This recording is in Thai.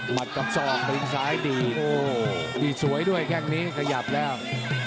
หมัดกับซองลิงก์ซ้ายดีดดีดสวยด้วยแค่งนี้กระหยับแล้ว